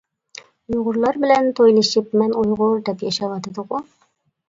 ئۇيغۇرلار بىلەن تويلىشىپ، مەن ئۇيغۇر دەپ ياشاۋاتىدىغۇ.